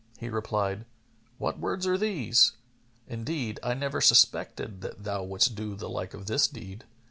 He replied, "What words are these? Indeed, I never suspected that thou wouldst do the like of this deed."